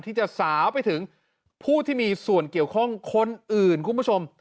ที่จะสาวไปถึงผู้ที่มีส่วนเกี่ยวข้องคนอื่นคุณผู้ชม